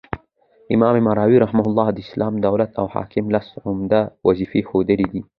امام ماوردي رحمه الله د اسلامي دولت او حاکم لس عمده وظيفي ښوولي دي